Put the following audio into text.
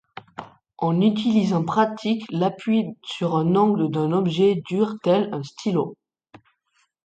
On utilise en pratique l'appui sur un ongle d'un objet dur tel un stylo.